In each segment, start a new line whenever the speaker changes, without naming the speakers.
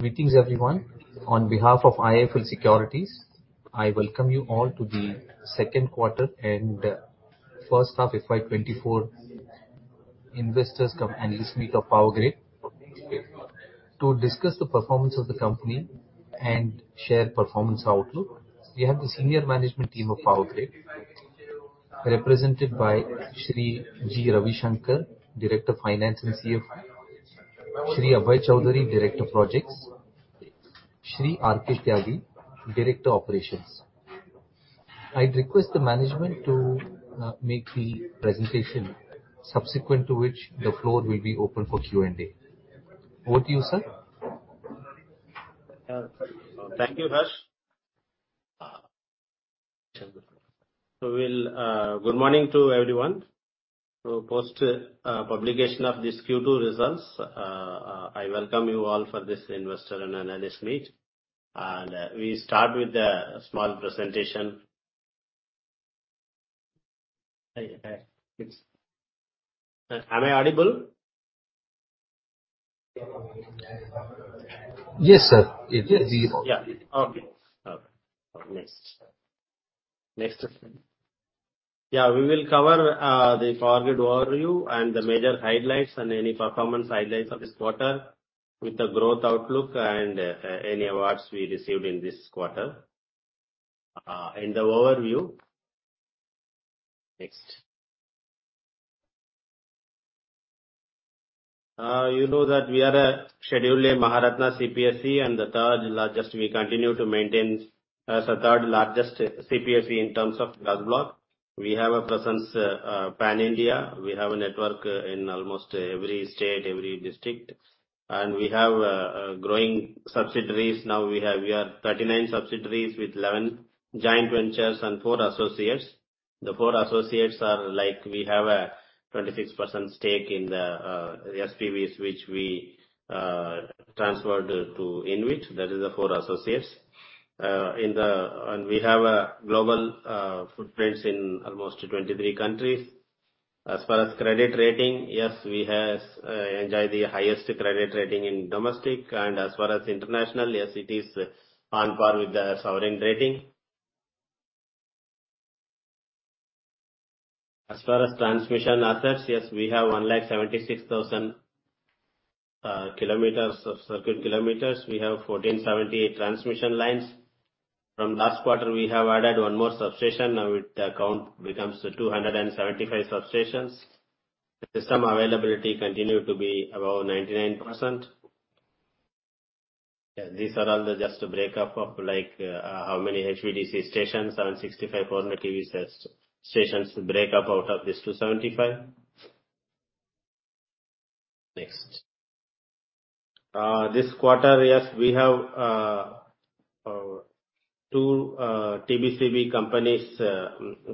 Greetings everyone. On behalf of IIFL Securities, I welcome you all to the second quarter and first half FY 2024 investors and analyst meet of Power Grid. To discuss the performance of the company and share performance outlook, we have the senior management team of Power Grid, represented by Shri G. Ravisankar, Director of Finance and CFO, Shri Abhay Choudhary, Director Projects, Shri R. K. Tyagi, Director Operations. I'd request the management to make the presentation, subsequent to which the floor will be open for Q&A. Over to you, sir.
Thank you, Harsh. Good morning to everyone. So post publication of this Q2 results, I welcome you all for this investor and analyst meet, and we start with a small presentation. Am I audible?
Yes, sir. It is..
Okay. Okay. Next. Next. , we will cover the Power Grid overview and the major highlights and any performance highlights of this quarter, with the growth outlook and any awards we received in this quarter. In the overview... Next. You know that we are a Schedule A Maharatna CPSE, and the third largest. We continue to maintain as the third largest CPSE in terms of market cap. We have a presence pan-India. We have a network in almost every state, every district, and we have growing subsidiaries. Now we have 39 subsidiaries, with 11 joint ventures and 4 associates. The 4 associates are like, we have a 26% stake in the SPVs, which we transferred to InvIT, that is the 4 associates. In the... And we have a global footprints in almost 23 countries. As far as credit rating, yes, we has enjoy the highest credit rating in domestic, and as far as international, yes, it is on par with the sovereign rating. As far as transmission assets, yes, we have 1 lakh 76 thousand kilometers of circuit kilometers. We have 1,478 transmission lines. From last quarter, we have added one more substation. Now it, the count becomes 275 substations. The system availability continues to be above 99%. These are all just a breakup of like how many HVDC stations and GIS, 765 kV stations breakup out of this 275. Next. This quarter, yes, we have two TBCB companies,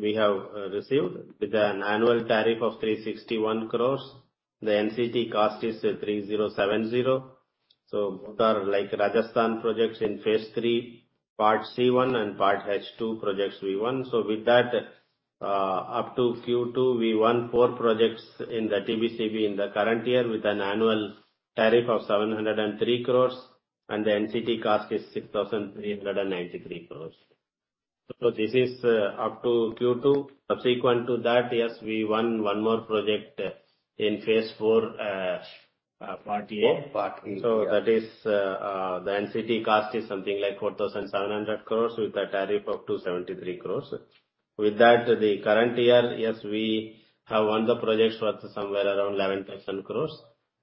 we have received with an annual tariff of 361 crore. The NCT cost is 3,070. Both are like Rajasthan projects in phase 3, Part C1 and Part H2 projects we won. So with that, up to Q2, we won four projects in the TBCB in the current year, with an annual tariff of 703 crores, and the NCT cost is 6,393 crores. So this is up to Q2. Subsequent to that, yes, we won one more project in phase 4, Part A. So that is the NCT cost is something like 4,700 crore, with a tariff of 273 crore. With that, the current year, yes, we have won the projects worth somewhere around 11,000 crore.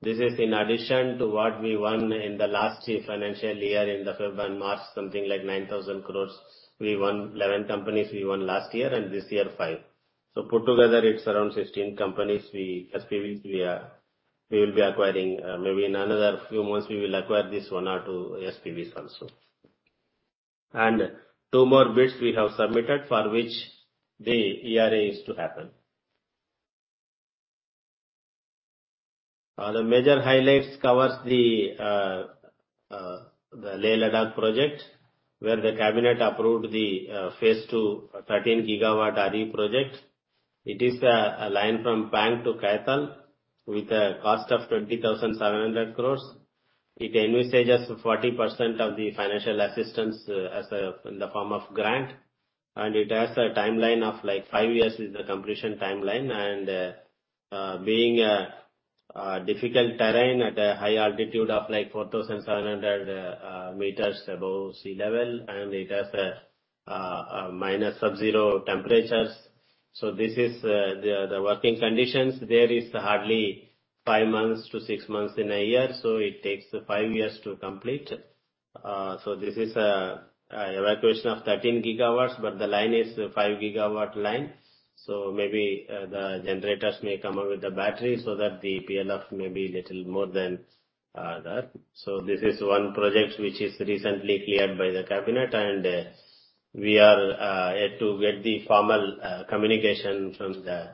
This is in addition to what we won in the last financial year, in the February and March, something like 9,000 crore. We won eleven companies we won last year, and this year, five. So put together, it's around sixteen companies we, SPVs we are- we will be acquiring. Maybe in another few months, we will acquire this one or two SPVs also. And two more bids we have submitted for which the e-RA is to happen. The major highlights covers the the Leh-Ladakh project, where the cabinet approved the phase two, 13 GW RE project. It is a line from Pang to Kaithal, with a cost of 20,700 crore. It envisages 40% of the financial assistance as in the form of grant, and it has a timeline of, like, 5 years is the completion timeline. Being a difficult terrain at a high altitude of, like, 4,700 meters above sea level, and it has a minus subzero temperatures. So this is the working conditions. There is hardly 5 months to 6 months in a year, so it takes 5 years to complete. So this is a evacuation of 13 gigawatts, but the line is a 5 gigawatt line, so maybe the generators may come up with a battery so that the PLF may be little more than that. So this is one project which is recently cleared by the cabinet, and we are yet to get the formal communication from the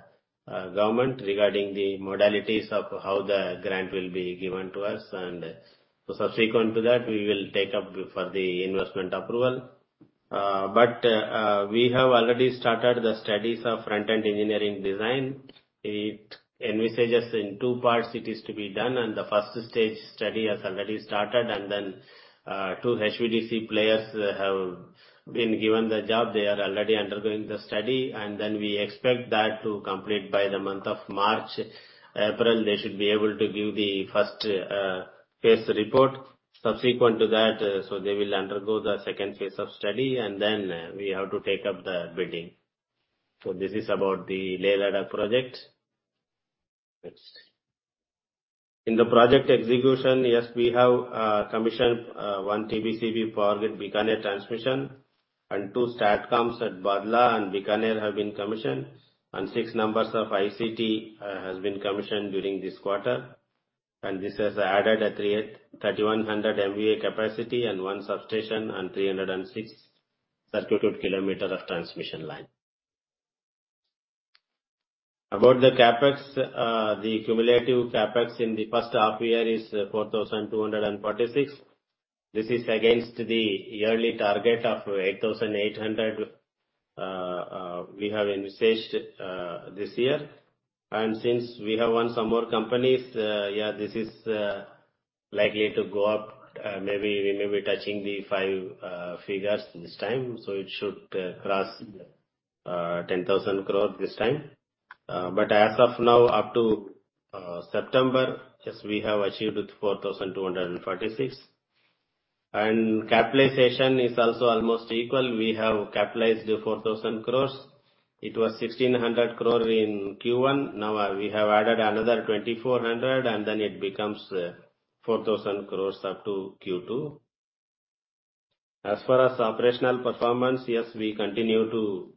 government regarding the modalities of how the grant will be given to us. And so subsequent to that, we will take up for the investment approval. But we have already started the studies of Front-End Engineering Design. It envisages in two parts it is to be done, and the first stage study has already started, and then two HVDC players have been given the job. They are already undergoing the study, and then we expect that to complete by the month of March. April, they should be able to give the first phase report. Subsequent to that, so they will undergo the second phase of study, and then we have to take up the bidding. So this is about the Leh-Ladakh project. Next. In the project execution, yes, we have commissioned one TBCB Power Grid Bikaner Transmission, and two STATCOMs at Bhadla and Bikaner have been commissioned, and six numbers of ICT has been commissioned during this quarter. And this has added 3,100 MVA capacity and one substation and 306 circuit kilometer of transmission line. About the CapEx, the cumulative CapEx in the first half year is 4,246 crore. This is against the yearly target of 8,800 crore we have envisaged this year. And since we have won some more companies,, this is likely to go up, maybe we may be touching the five figures this time, so it should cross 10,000 crore this time. But as of now, up to September, yes, we have achieved 4,246. And capitalization is also almost equal. We have capitalized 4,000 crore. It was 1,600 crore in Q1. Now, we have added another 2,400, and then it becomes 4,000 crore up to Q2. As far as operational performance, yes, we continue to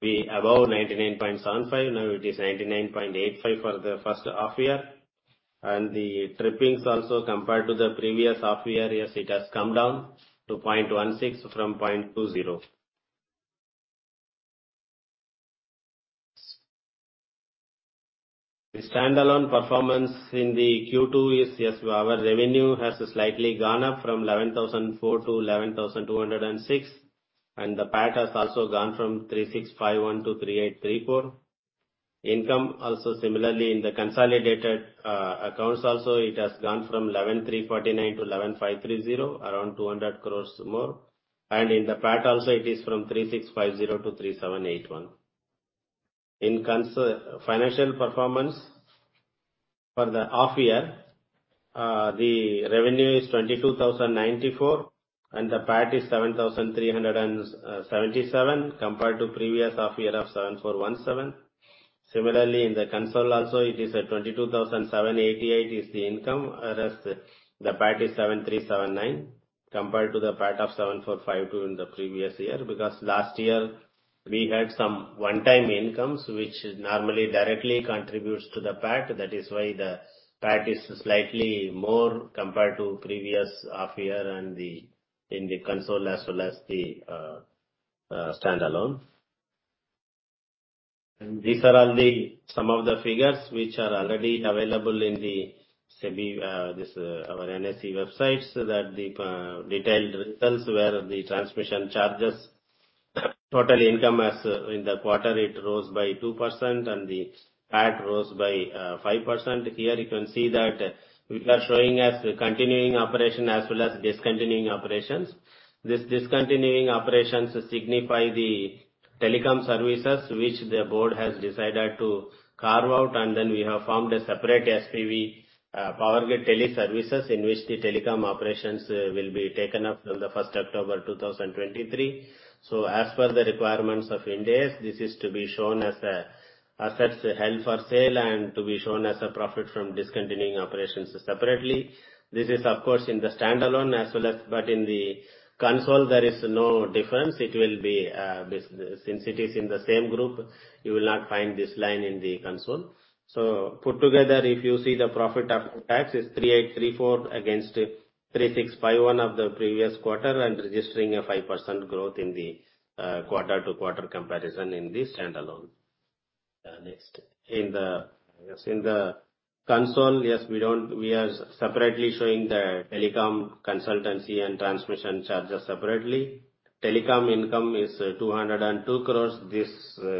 be above 99.75%. Now, it is 99.85% for the first half year. And the trippings also, compared to the previous half year, yes, it has come down to 0.16 from 0.20. The standalone performance in the Q2 is... yes, our revenue has slightly gone up from 11,004 to 11,206, and the PAT has also gone from 3,651 to 3,834. Income also similarly, in the consolidated accounts also, it has gone from 11,349 crore to 11,530 crore, around 200 crore more, and in the PAT also it is from 3,650 crore to 3,781 crore. In consolidated financial performance for the half year, the revenue is 22,094 crore, and the PAT is 7,377 crore, compared to previous half year of 7,417 crore. Similarly, in the consolidated also, it is at 22,788 crore is the income, whereas the PAT is 7,379 crore, compared to the PAT of 7,452 crore in the previous year. Because last year we had some one-time incomes, which normally directly contributes to the PAT. That is why the PAT is slightly more compared to previous half year and the, in the consolidated as well as the standalone. These are all some of the figures which are already available in the BSE and NSE websites, that the detailed results where the transmission charges, total income as in the quarter, it rose by 2% and the PAT rose by 5%. Here you can see that we are showing as continuing operations as well as discontinued operations. This discontinued operations signify the telecom services, which the board has decided to carve out, and then we have formed a separate SPV, Power Grid Teleservices, in which the telecom operations will be taken up from October 1, 2023. So as per the requirements of India, this is to be shown as assets held for sale and to be shown as a profit from discontinuing operations separately. This is, of course, in the standalone as well as but in the consolidated, there is no difference. It will be, since it is in the same group, you will not find this line in the consolidated. So put together, if you see the profit after tax is 3,834 crore against 3,651 crore of the previous quarter, and registering a 5% growth in the quarter-to-quarter comparison in the standalone. Next. In the consolidated, yes, we are separately showing the telecom consultancy and transmission charges separately. Telecom income is 202 crore this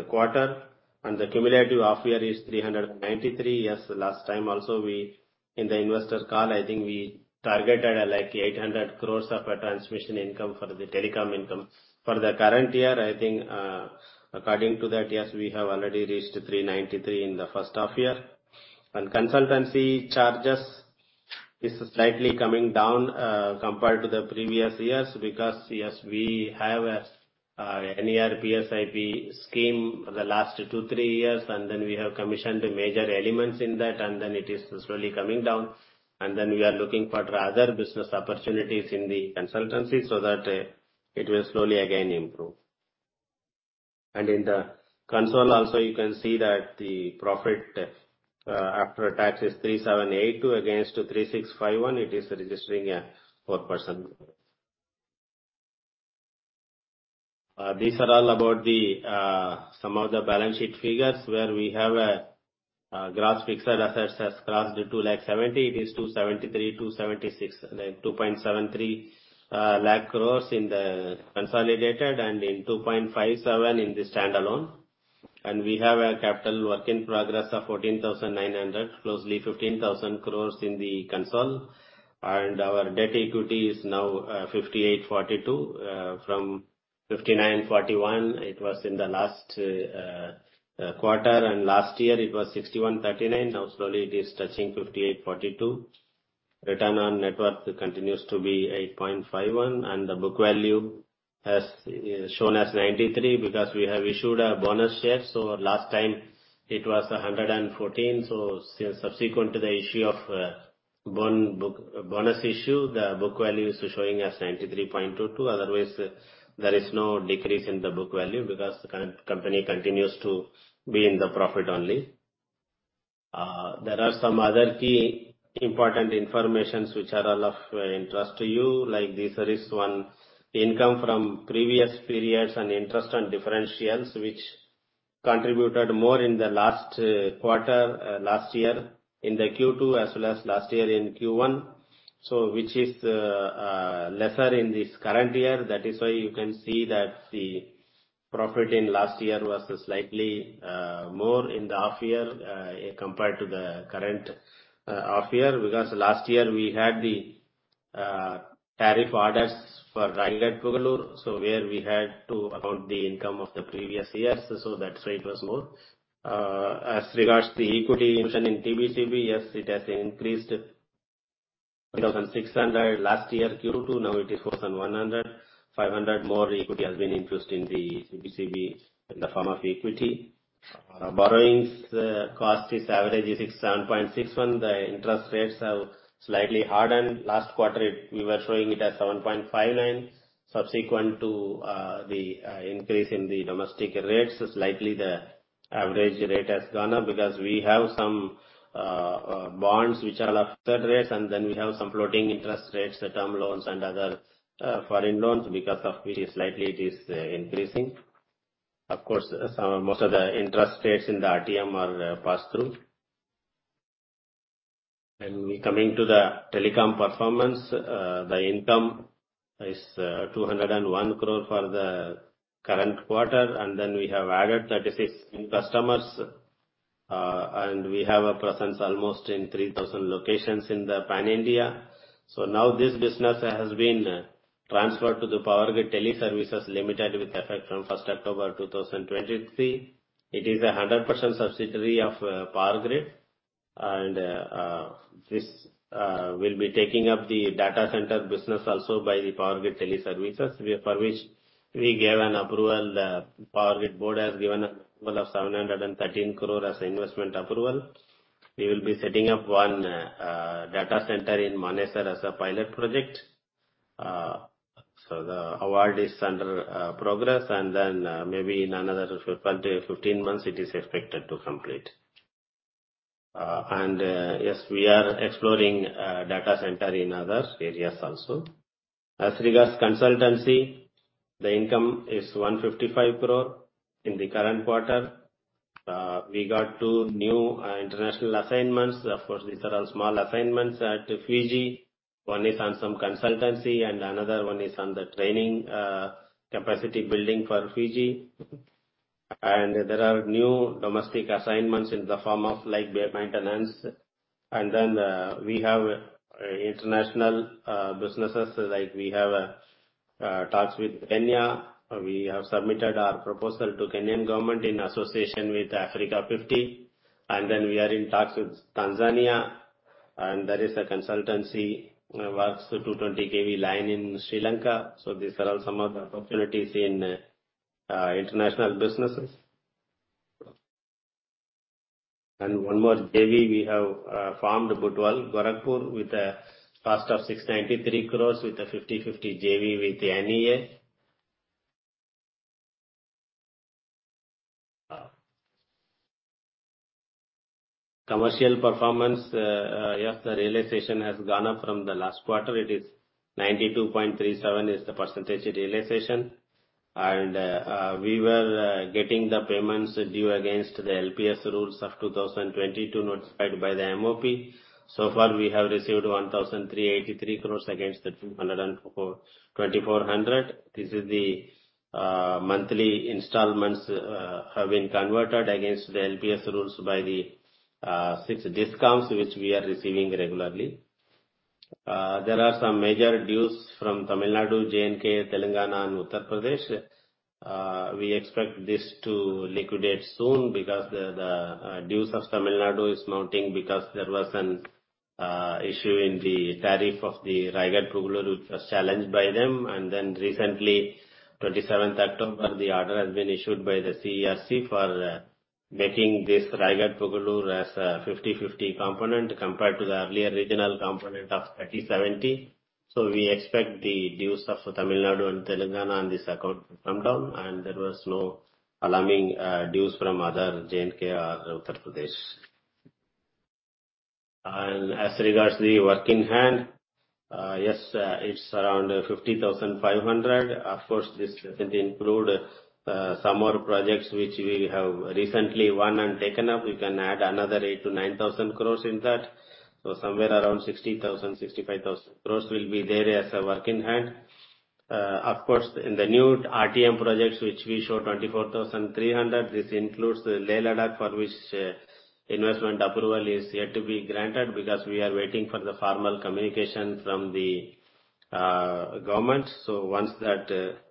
quarter, and the cumulative half year is 393 crore. Yes, last time also we, in the investor call, I think we targeted, like 800 crore of a transmission income for the telecom income. For the current year, I think, according to that, yes, we have already reached 393 in the first half year. And consultancy charges is slightly coming down, compared to the previous years, because, yes, we have a NERPSIP scheme for the last two, three years, and then we have commissioned the major elements in that, and then it is slowly coming down, and then we are looking for other business opportunities in the consultancy so that, it will slowly again improve. And in the consol also, you can see that the profit, after tax, is 3,782 against 3,651. It is registering a 4%. These are all about some of the balance sheet figures, where we have gross fixed assets has crossed 2.70 lakh crore, it is 273,000 crore, 276,000 crore, like 2.73 lakh crore in the consolidated and 257,000 crore in the standalone. And we have a capital work in progress of 14,900 crore, closely 15,000 crore in the consolidated. And our debt equity is now 58/42, from 59/41, it was in the last quarter, and last year it was 61/39. Now, slowly it is touching 58/42. Return on network continues to be 8.51%, and the book value has shown as 93 because we have issued a bonus share. So last time it was 114. Since subsequent to the issue of Bonus issue, the book value is showing as 93.22. Otherwise, there is no decrease in the book value because the company continues to be in profit only. There are some other key important information which are all of interest to you, like this is one income from previous periods and interest on differentials, which contributed more in the last quarter, last year, in the Q2 as well as last year in Q1. So which is lesser in this current year. That is why you can see that the profit in last year was slightly more in the half year compared to the current half year. Because last year we had the tariff orders for Raigarh-Pugalur, so where we had to account the income of the previous years, so that's why it was more. As regards the equity infusion in TBCB, yes, it has increased 2,600 last year, Q2, now it is 4,100. 500 more equity has been increased in the TBCB in the form of equity. Borrowings, cost is average is 7.61%. The interest rates have slightly hardened. Last quarter, we were showing it as 7.59%. Subsequent to the increase in the domestic rates, slightly the average rate has gone up because we have some bonds which are of third rates, and then we have some floating interest rates, the term loans and other foreign loans, because of which slightly it is increasing. Of course, some most of the interest rates in the RTM are passed through. And coming to the telecom performance, the income is 201 crore for the current quarter, and then we have added 36 new customers, and we have a presence almost in 3,000 locations in the pan-India. So now this business has been transferred to the POWERGRID Teleservices Limited, with effect from first October 2023. It is a 100% subsidiary of POWERGRID, and this will be taking up the data center business also by the POWERGRID Teleservices, where for which we gave an approval. POWERGRID board has given an approval of 713 crore as investment approval. We will be setting up one data center in Manesar as a pilot project. So the award is under progress, and then maybe in another 12-15 months, it is expected to complete. And yes, we are exploring data center in other areas also. As regards consultancy, the income is 155 crore in the current quarter. We got two new international assignments. Of course, these are all small assignments at Fiji. One is on some consultancy, and another one is on the training, capacity building for Fiji. And there are new domestic assignments in the form of like bay maintenance. And then, we have, international, businesses, like we have, talks with Kenya. We have submitted our proposal to Kenyan government in association with Africa50. And then we are in talks with Tanzania, and there is a consultancy, works 220 kV line in Sri Lanka. So these are all some of the opportunities in, international businesses. And one more JV, we have, formed Butwal-Gorakhpur, with a cost of 693 crore, with a 50/50 JV with NEA. Commercial performance, yes, the realization has gone up from the last quarter. It is 92.37%, is the percentage realization. We were getting the payments due against the LPS rules of 2022, notified by the MOP. So far, we have received 1,383 crore against the 204, 2,400. This is the monthly installments have been converted against the LPS rules by the 6% discounts, which we are receiving regularly. There are some major dues from Tamil Nadu, J&K, Telangana and Uttar Pradesh. We expect this to liquidate soon because the dues of Tamil Nadu is mounting because there was an issue in the tariff of the Raigarh-Pugalur, which was challenged by them. Then recently, 27th October, the order has been issued by the CERC for making this Raigarh-Pugalur, as a 50/50 component, compared to the earlier regional component of 30/70. So we expect the dues of Tamil Nadu and Telangana on this account to come down, and there was no alarming dues from other J&K or Uttar Pradesh. As regards the work in hand, yes, it's around 50,500 crore. Of course, this doesn't include some more projects which we have recently won and taken up. We can add another 8,000-9,000 crore in that. So somewhere around 60,000-65,000 crore will be there as a work in hand. Of course, in the new RTM projects, which we show 24,300 crore, this includes the Leh-Ladakh, for which investment approval is yet to be granted, because we are waiting for the formal communication from the government. So once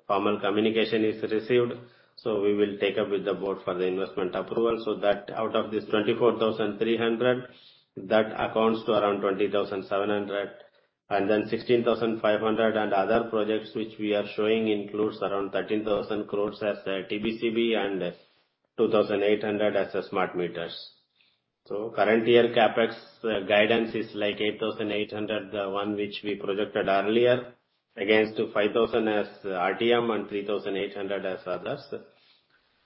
that formal communication is received, so we will take up with the board for the investment approval. So that out of this 24,300 crore, that accounts to around 20,700 crore, and then 16,500 crore, and other projects which we are showing includes around 13,000 crore as TBCB and 2,800 crore as smart meters. So current year CapEx guidance is like 8,800 crore, the one which we projected earlier, against 5,000 crore as RTM and 3,800 crore as others.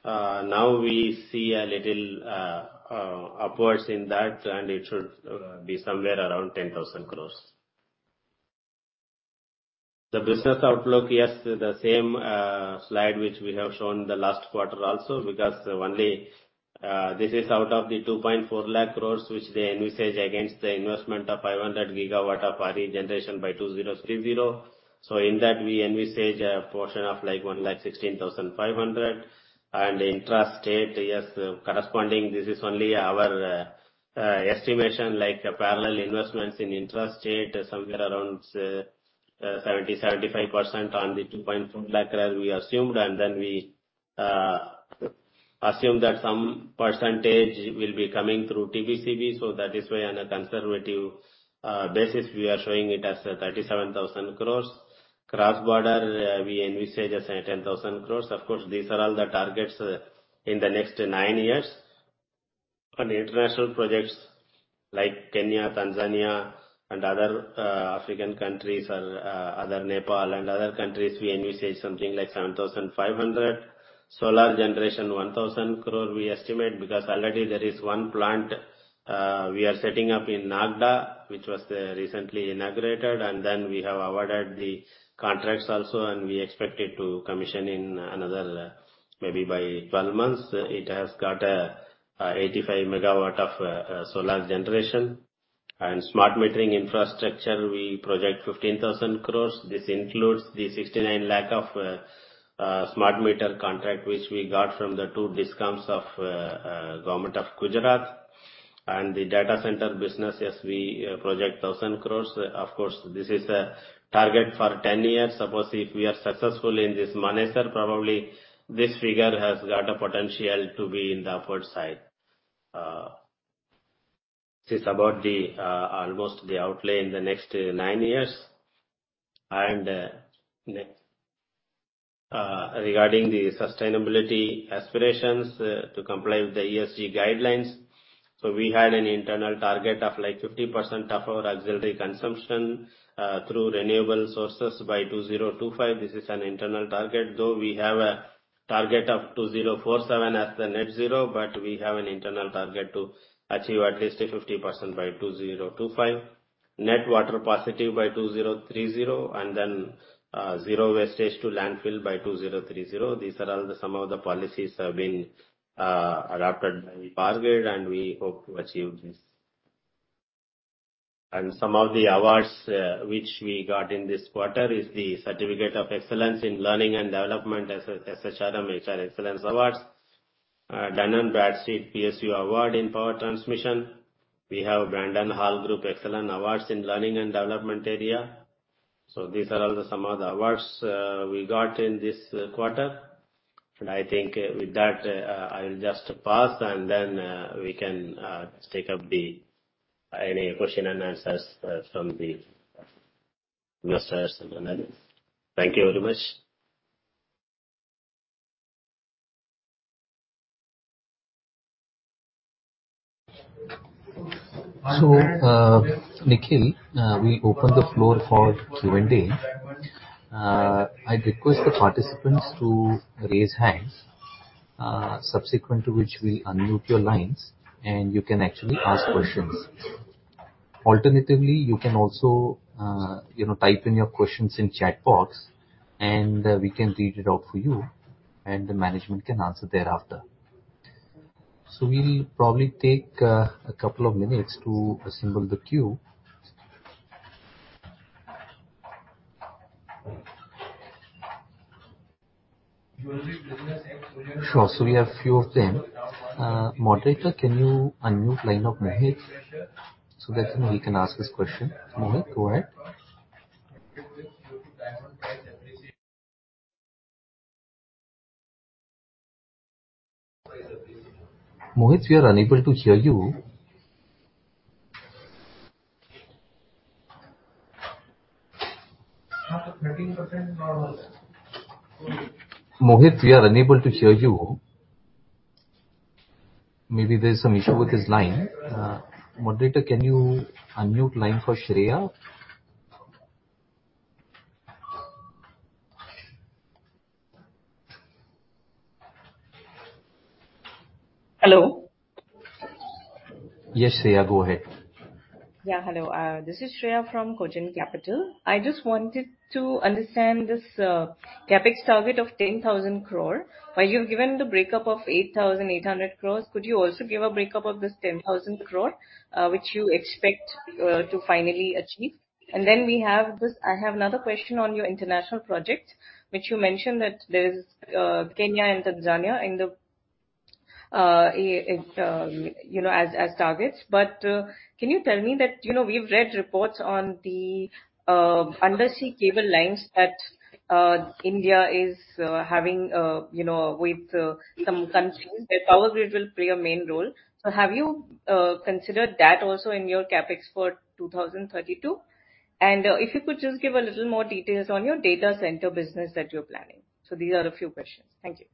Now we see a little upwards in that, and it should be somewhere around 10,000 crore. The business outlook, yes, the same slide which we have shown the last quarter also, because only this is out of the 240,000 crore, which they envisage against the investment of 500 GW of RE generation by 2030. So in that, we envisage a portion of like 116,500 crore. And intrastate, yes, corresponding, this is only our estimation, like parallel investments in intrastate, somewhere around 70-75% on the 240,000 crore as we assumed, and then we assume that some percentage will be coming through TBCB. So that is why, on a conservative basis, we are showing it as 37,000 crore. Cross-border, we envisage as 10,000 crore. Of course, these are all the targets in the next nine years. On international projects like Kenya, Tanzania, and other African countries or other Nepal and other countries, we envisage something like 7,500 crore. Solar generation, 1,000 crore, we estimate, because already there is one plant we are setting up in Nagda, which was recently inaugurated, and then we have awarded the contracts also, and we expect it to commission in another maybe by 12 months. It has got 85 MW of solar generation. And smart metering infrastructure, we project 15,000 crore. This includes the 69 lakh smart meter contract, which we got from the two discoms of government of Gujarat. And the data center business, yes, we project 1,000 crore. Of course, this is a target for 10 years. Suppose if we are successful in this Manesar, probably this figure has got a potential to be in the upward side. This is about almost the outlay in the next 9 years. And next. Regarding the sustainability aspirations to comply with the ESG guidelines. So we had an internal target of, like, 50% of our auxiliary consumption through renewable sources by 2025. This is an internal target, though we have a target of 2047 as the net zero, but we have an internal target to achieve at least a 50% by 2025. Net water positive by 2030, and then zero wastage to landfill by 2030. These are all the some of the policies have been adopted by POWERGRID, and we hope to achieve this. And some of the awards which we got in this quarter is the Certificate of Excellence in Learning and Development as HR Excellence Awards. Dun & Bradstreet PSU Award in power transmission. We have Brandon Hall Group Excellence Awards in learning and development area. So these are some of the awards we got in this quarter. And I think with that, I'll just pause, and then we can take up any question and answers from the investors and analysts. Thank you very much.
So, Nikhil, we open the floor for Q&A. I request the participants to raise hands, subsequent to which we'll unmute your lines, and you can actually ask questions. Alternatively, you can also, you know, type in your questions in chat box, and we can read it out for you, and the management can answer thereafter. So we'll probably take a couple of minutes to assemble the queue.
You will be-
Sure. So we have few of them. Moderator, can you unmute line of Mohit, so that he can ask his question? Mohit, go ahead. Mohit, we are unable to hear you.
13% normal.
Mohit, we are unable to hear you. Maybe there's some issue with his line. Moderator, can you unmute line for Shreya?
Hello?
Yes, Shreya, go ahead. ,
hello, this is Shreya from Cogent Capital. I just wanted to understand this, CapEx target of 10,000 crore. While you've given the breakup of 8,800 crore, could you also give a breakup of this 10,000 crore, which you expect, to finally achieve? And then we have this... I have another question on your international projects, which you mentioned that there's, Kenya and Tanzania in the, you know, as, as targets. But, can you tell me that, you know, we've read reports on the, undersea cable lines that, India is, having, you know, with, some countries, that Power Grid will play a main role. So have you, considered that also in your CapEx for 2032? If you could just give a little more details on your data center business that you're planning. These are a few questions. Thank you..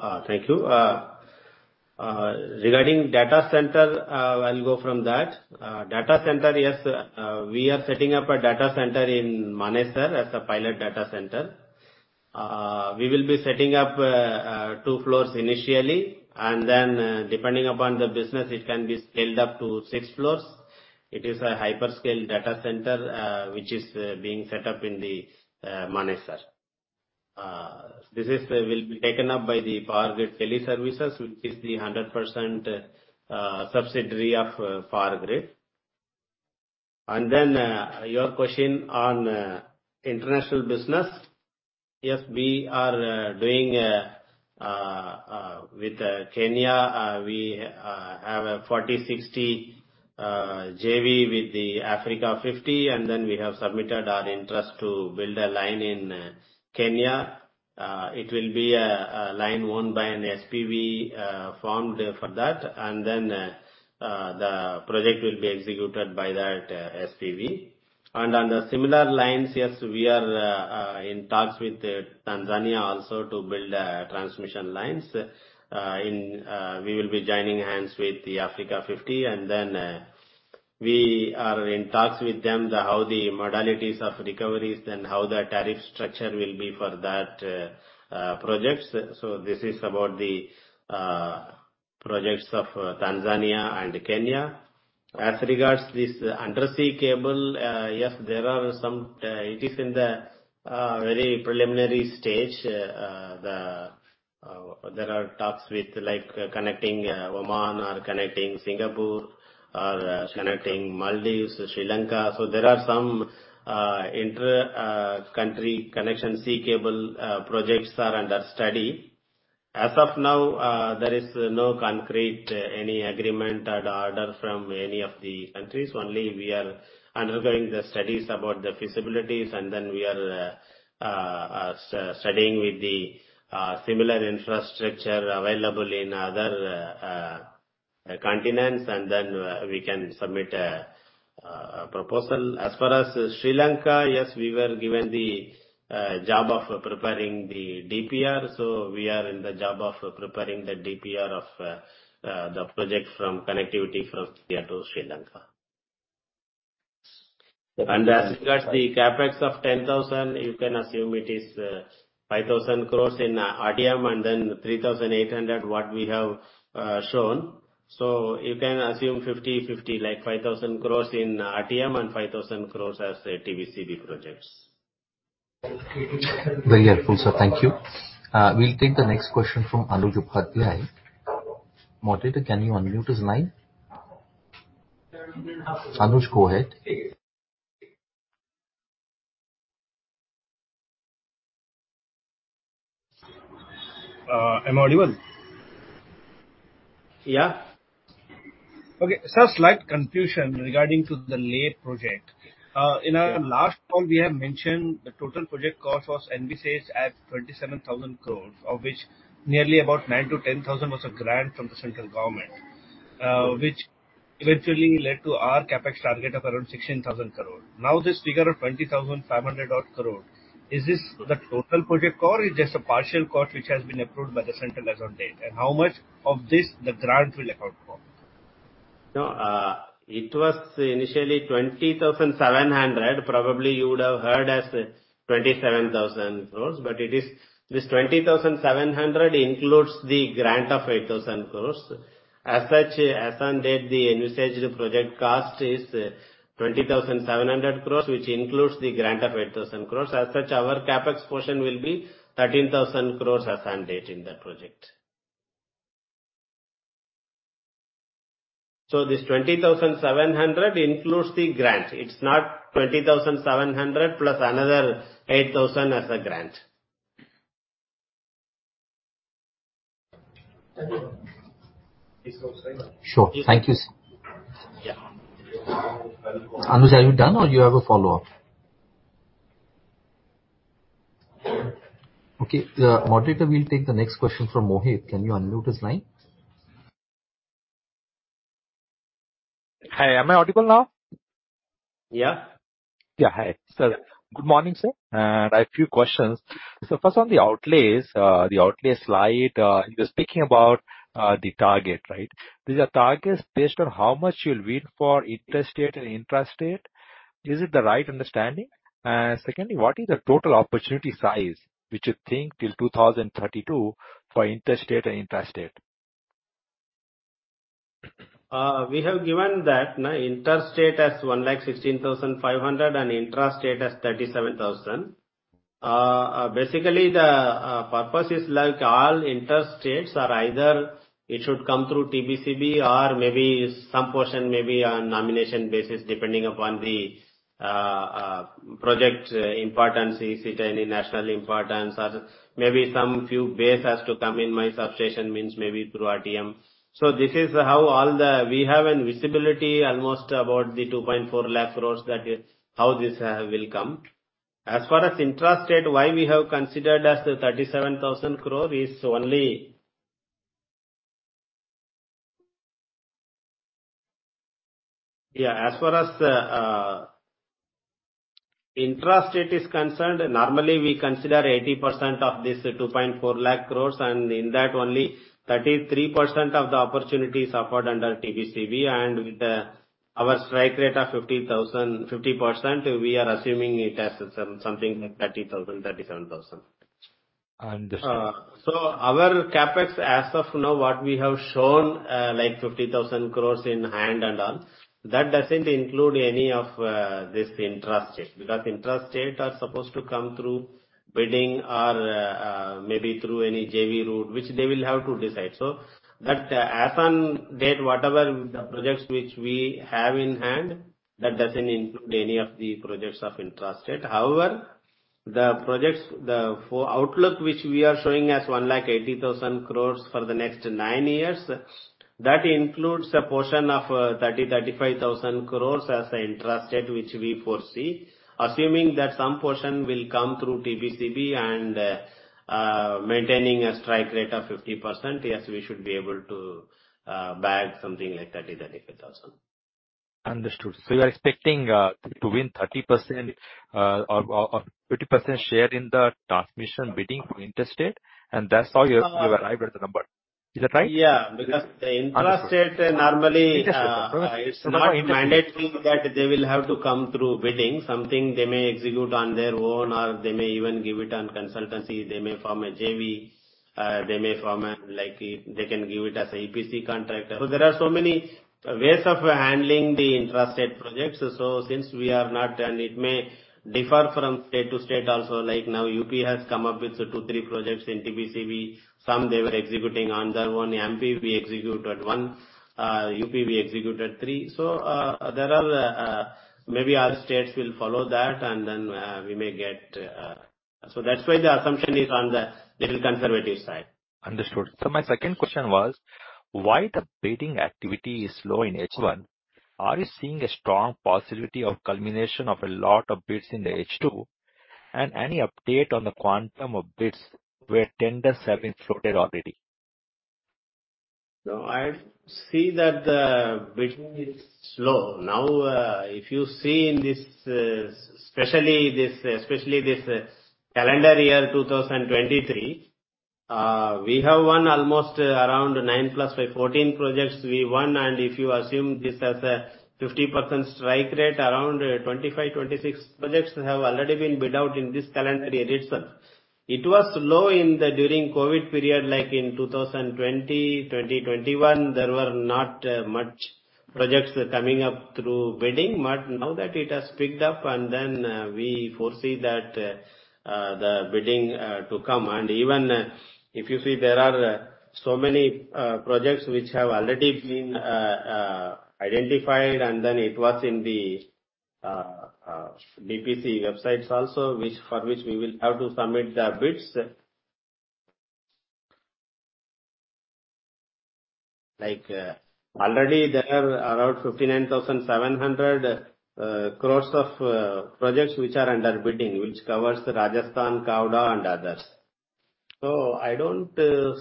Thank you. Regarding data center, I'll go from that. Data center, yes, we are setting up a data center in Manesar as a pilot data center. We will be setting up 2 floors initially, and then, depending upon the business, it can be scaled up to 6 floors. It is a hyperscale data center, which is being set up in the Manesar. This will be taken up by the Power Grid Teleservices, which is the 100% subsidiary of Power Grid. And then, your question on international business. Yes, we are doing with Kenya, we have a 40-60 JV with the Africa50, and then we have submitted our interest to build a line in Kenya. It will be a line owned by an SPV, formed for that, and then the project will be executed by that SPV. And on the similar lines, yes, we are in talks with Tanzania also to build transmission lines. In we will be joining hands with the Africa50, and then we are in talks with them how the modalities of recoveries and how the tariff structure will be for that projects. So this is about the projects of Tanzania and Kenya. As regards this undersea cable, yes, there are some, it is in the very preliminary stage. There are talks with like connecting Oman or connecting Singapore or connecting Maldives, Sri Lanka. So there are some intercountry connection sea cable projects are under study. As of now, there is no concrete any agreement or order from any of the countries. Only we are undergoing the studies about the feasibilities, and then we are studying with the similar infrastructure available in other continents, and then we can submit a proposal. As far as Sri Lanka, yes, we were given the job of preparing the DPR, so we are in the job of preparing the DPR of the project from connectivity from India to Sri Lanka. And as regards the CapEx of 10,000 crore, you can assume it is 5,000 crore in RTM and then 3,800 crore, what we have shown. You can assume 50/50, like 5,000 crore in RTM and 5,000 crore as TBCB projects.
Very helpful, sir. Thank you. We'll take the next question from Anuj Bhatia. Moderator, can you unmute his line? Anuj, go ahead.
Am I audible? Okay. Sir, slight confusion regarding to the Leh project. In our last call, we have mentioned the total project cost was envisaged at 27,000 crore, of which nearly about 9,000-10,000 crore was a grant from the central government, which eventually led to our CapEx target of around 16,000 crore. Now, this figure of 20,500 odd crore, is this the total project cost or is just a partial cost which has been approved by the central as on date? And how much of this the grant will account for?
No, it was initially 20,700 crore. Probably, you would have heard as 27,000 crores, but it is, this 20,700 crore includes the grant of 8,000 crore. As such, as on date, the envisaged project cost is 20,700 crore, which includes the grant of 8,000 crore. As such, our CapEx portion will be 13,000 crore as on date in the project. So this 20,700 crore includes the grant. It's not 20,700 crore plus another 8,000 crore as a grant.
Thank you. This looks very much-
Sure. Thank you, sir.. Anuj, are you done or you have a follow-up? Okay, moderator, we'll take the next question from Mohit. Can you unmute his line?
Hi. Am I audible now?. Hi, sir. Good morning, sir, I have a few questions. So first on the outlays, the outlays slide, you were speaking about the target, right? These are targets based on how much you'll win for interstate and intrastate. Is it the right understanding? Secondly, what is the total opportunity size, which you think till 2032 for interstate and intrastate?
We have given that, no, interstate has INR 116,500 crore and intrastate has 37,000 crore. Basically, the purpose is like all interstates are either it should come through TBCB, or maybe some portion may be on nomination basis, depending upon the project importance, is it any national importance, or maybe some few base has to come in my substation, means maybe through RTM. So this is how all the, we have visibility almost about the 2.4 lakh crores that is, how this will come. As far as intrastate, why we have considered as the 37,000 crore is only., as far as intrastate is concerned, normally, we consider 80% of this 2.4 lakh crores, and in that only, 33% of the opportunity is offered under TBCB. With our strike rate of 50%, we are assuming it as something like 30,000, 37,000.
Understood.
So our CapEx, as of now, what we have shown, like 50,000 crore in hand and all, that doesn't include any of this intrastate, because intrastate are supposed to come through bidding or maybe through any JV route, which they will have to decide. So that as and when whatever the projects which we have in hand, that doesn't include any of the projects of intrastate. However, the projects, the outlook, which we are showing as 180,000 crore for the next nine years, that includes a portion of 30,000-35,000 crore as intrastate, which we foresee. Assuming that some portion will come through TBCB and maintaining a strike rate of 50%, yes, we should be able to bag something like 30,000-35,000 crore.
Understood. So you are expecting to win 30%, or 50% share in the transmission bidding for interstate, and that's how you arrived at the number. Is that right?,
because the intrastate-
Understood.
-normally, uh-
Intrastate...
it's not mandatory that they will have to come through bidding. Something they may execute on their own, or they may even give it on consultancy. They may form a JV, they may form a, like, they can give it as an EPC contractor. So there are so many ways of handling the intrastate projects. So since we are not, and it may differ from state to state also, like now, UP has come up with two, three projects in TBCB. Some they were executing on their own. MP, we executed one, UP, we executed three. So, there are, maybe other states will follow that and then, we may get. So that's why the assumption is on the little conservative side. Understood. So my second question was, why the bidding activity is low in H1? Are you seeing a strong possibility of culmination of a lot of bids in the H2, and any update on the quantum of bids where tenders have been floated already? No, I see that the bidding is slow. Now, if you see in this, especially this calendar year, 2023, we have won almost around 9 plus by 14 projects we won, and if you assume this as a 50% strike rate, around 25, 26 projects have already been bid out in this calendar year itself. It was low in the, during COVID period, like in 2020, 2021, there were not much projects coming up through bidding. But now that it has picked up, and then, we foresee that, the bidding to come. And even if you see, there are so many projects which have already been identified, and then it was in the BPC websites also, which, for which we will have to submit the bids. Like, already there are around 59,700 crores of projects which are under bidding, which covers the Rajasthan, Khavda, and others. So I don't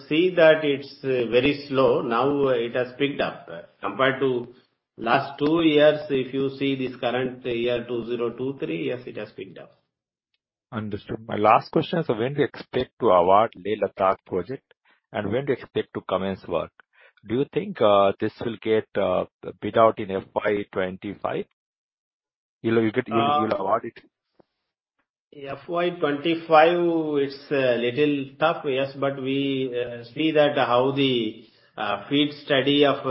see that it's very slow. Now, it has picked up. Compared to last two years, if you see this current year, 2023, yes, it has picked up.
Understood. My last question is, when do you expect to award Leh-Ladakh project, and when do you expect to commence work? Do you think this will get bid out in FY 2025? You know, you could, you'll award it.
FY 25, it's a little tough, yes, but we see that how the FEED study of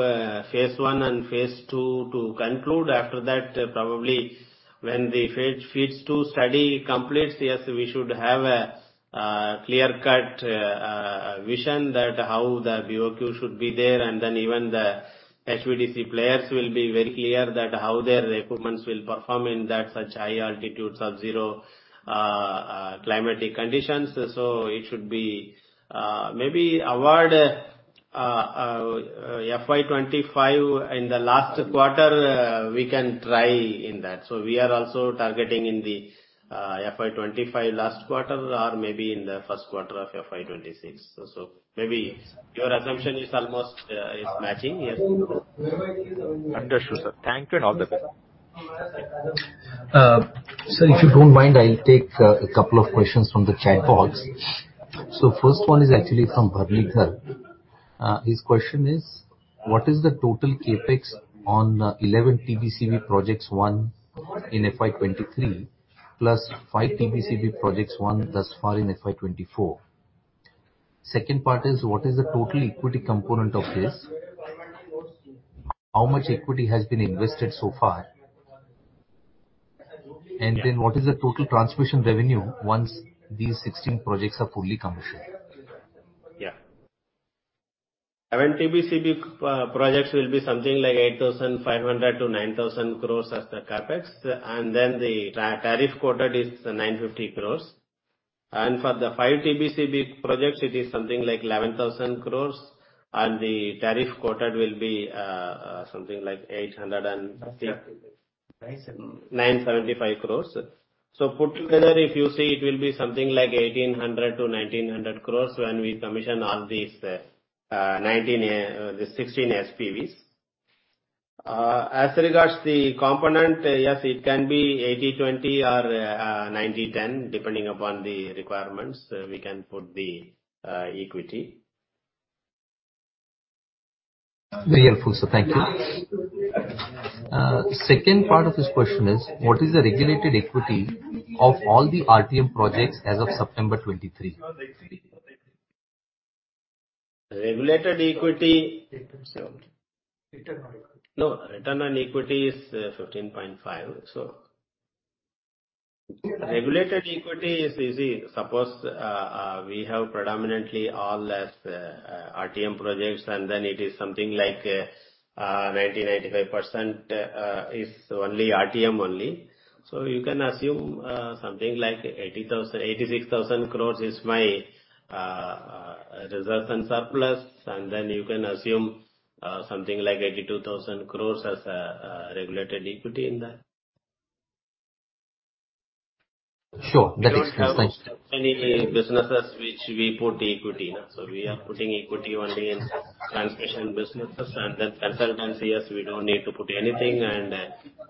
phase one and phase two to conclude. After that, probably when the phase, phase two study completes, yes, we should have a clear-cut vision that how the BOQ should be there, and then even the HVDC players will be very clear that how their equipments will perform in that such high altitudes or zero climatic conditions. So it should be maybe award FY 25 in the last quarter, we can try in that. So we are also targeting in the FY 25 last quarter or maybe in the first quarter of FY 26. So, so maybe your assumption is almost is matching. Yes.
Understood, sir. Thank you and all the best. ... Sir, if you don't mind, I'll take a couple of questions from the chat box. So first one is actually from Bharanidhar. His question is: What is the total CapEx on 11 TBCB projects, 1 in FY 2023, plus 5 TBCB projects, 1 thus far in FY 2024? Second part is: What is the total equity component of this? How much equity has been invested so far? And then what is the total transmission revenue once these 16 projects are fully commissioned?.
11 TBCB projects will be something like 8,500-9,000 crores as the CapEx, and then the tariff quoted is 950 crores. For the five TBCB projects, it is something like 11,000 crores, and the tariff quoted will be something like 800 and-
Nine seven.
975 crore. So put together, if you see, it will be something like 1,800 crore-1,900 crore when we commission all these, 19, the 16 SPVs. As regards the component, yes, it can be 80/20 or, 90/10. Depending upon the requirements, we can put the, equity.
Very helpful, sir. Thank you. Second part of this question is: What is the regulated equity of all the RTM projects as of September 2023?
Regulated equity-
Return on equity.
No, return on equity is 15.5. So regulated equity is, you see, suppose we have predominantly all as RTM projects, and then it is something like 90-95% is only RTM only. So you can assume something like 80,000-86,000 crore is my reserve and surplus, and then you can assume something like 82,000 crore as regulated equity in that.
Sure. That is nice.
Any businesses which we put equity, so we are putting equity only in transmission businesses, and then consultancy, yes, we don't need to put anything, and,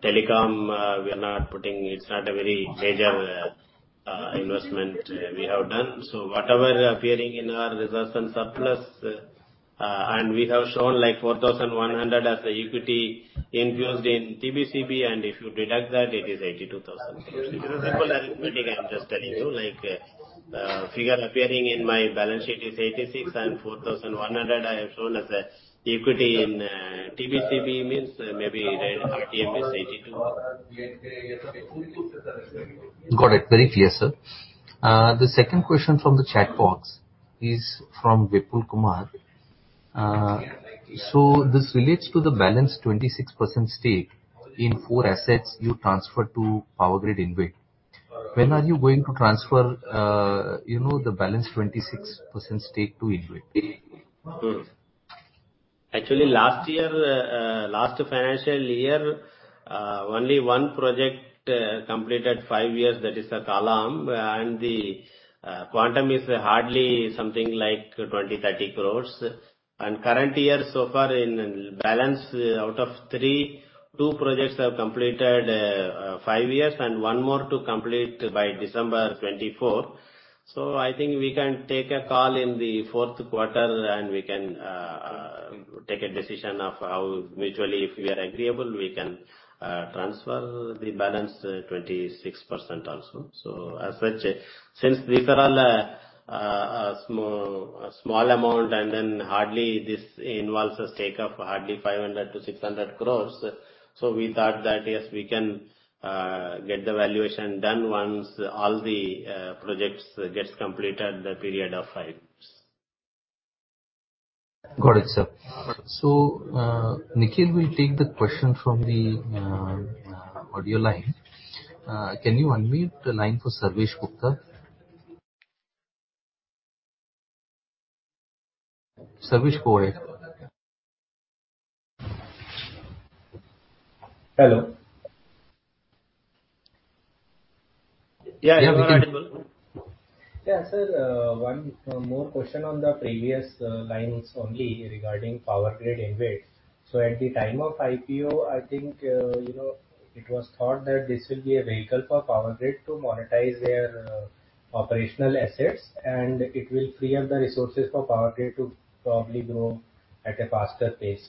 telecom, we are not putting. It's not a very major investment we have done. So whatever appearing in our reserve and surplus, and we have shown, like, 4,100 as the equity infused in TBCB, and if you deduct that, it is 82,000. Simple arithmetic, I'm just telling you, like, figure appearing in my balance sheet is 86,000, and 4,100 I have shown as equity in TBCB, means maybe RTM is INR 82,000.
Got it. Very clear, sir. The second question from the chat box is from Vipul Kumar. So this relates to the balance 26% stake in four assets you transferred to POWERGRID InvIT. When are you going to transfer, you know, the balance 26% stake to InvIT?
Actually, last year, last financial year, only one project completed five years, that is the Kala Amb, and the quantum is hardly something like 20-30 crore. Current year, so far in balance, out of three, two projects have completed five years and one more to complete by December 2024. So I think we can take a call in the fourth quarter, and we can take a decision of how mutually, if we are agreeable, we can transfer the balance 26% also. So as such, since these are all small, small amount, and then hardly this involves a stake of hardly 500-600 crore, so we thought that, yes, we can get the valuation done once all the projects gets completed, the period of five years. Got it, sir. So, Nikhil, we'll take the question from the audio line. Can you unmute the line for Sarvesh Gupta? Sarvesh, go ahead.
Hello.,
I have Sarvesh.,
sir, one more question on the previous lines only regarding POWERGRID InvIT. So at the time of IPO, I think, you know, it was thought that this will be a vehicle for POWERGRID to monetize their operational assets, and it will free up the resources for POWERGRID to probably grow at a faster pace.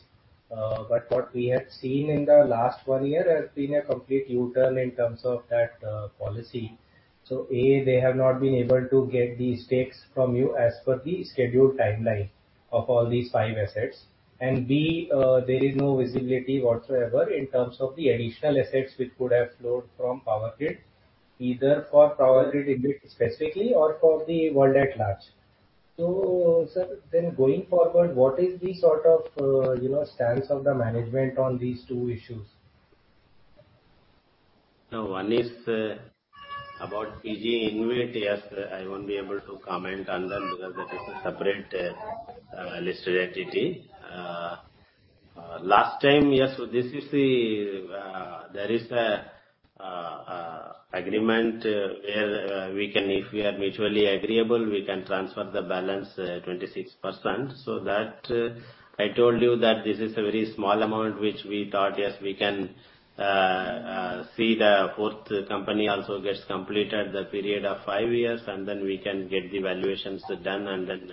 But what we have seen in the last one year has been a complete U-turn in terms of that policy. So, A, they have not been able to get these stakes from you as per the scheduled timeline of all these five assets, and, B, there is no visibility whatsoever in terms of the additional assets which could have flowed from POWERGRID, either for POWERGRID InvIT specifically or for the world at large. Sir, then going forward, what is the sort of, you know, stance of the management on these two issues?
Now, one is about PG InvIT. Yes, I won't be able to comment on them, because that is a separate listed entity. Yes, so this is the there is an agreement where we can, if we are mutually agreeable, we can transfer the balance 26%. So that, I told you that this is a very small amount, which we thought, yes, we can see the fourth company also gets completed, the period of 5 years, and then we can get the valuations done, and then